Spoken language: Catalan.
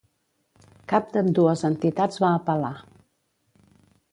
Cap d'ambdues entitats va apel·lar.